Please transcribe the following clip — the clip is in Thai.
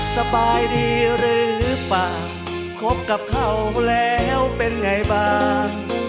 สบายดีหรือเปล่าคบกับเขาแล้วเป็นไงบ้าง